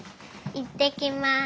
行ってきます。